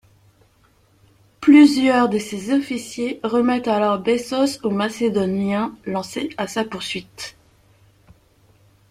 Plusieurs de ses officiers remettent alors Bessos aux Macédoniens lancés à sa poursuite.